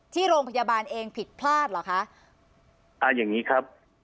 ที่โรงพยาบาลเองผิดพลาดเหรอคะอ่าอย่างงี้ครับ